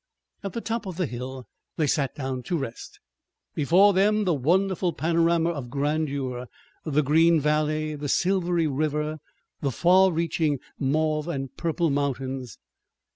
At the top of the hill they sat down to rest, before them the wonderful panorama of grandeur the green valley, the silvery river, the far reaching mauve and purple mountains.